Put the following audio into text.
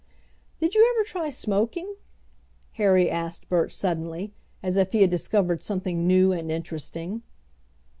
"Did you ever try smoking?" Harry asked Bert suddenly, as if he had discovered something new and interesting.